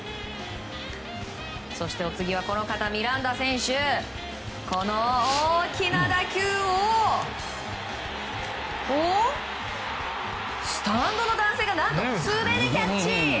そしてお次はこの方ミランダ選手、この大きな打球をスタンドの男性が何と、素手でキャッチ！